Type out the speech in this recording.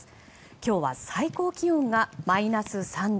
今日は最高気温がマイナス３度。